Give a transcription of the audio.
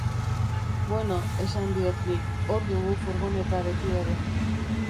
Bueno, esan diot nik, hor dugu furgoneta beti ere.